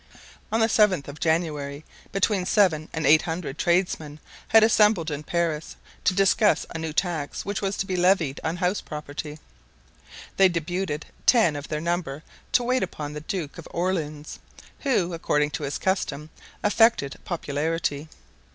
On the seventh of January between seven and eight hundred tradesmen had assembled in Paris to discuss a new tax which was to be levied on house property. They deputed ten of their number to wait upon the Duke of Orleans, who, according to his custom, affected popularity.